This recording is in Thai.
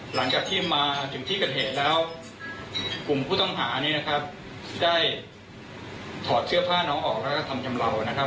หลังจากที่มาถึงที่เกิดเหตุแล้วกลุ่มผู้ต้องหานี้นะครับได้ถอดเสื้อผ้าน้องออกแล้วก็ทำจำเลานะครับ